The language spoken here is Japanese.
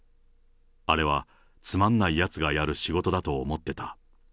あれは、つまんないやつがやる仕事だと思ってた。